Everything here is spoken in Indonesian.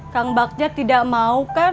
kang bacca tidak mau kan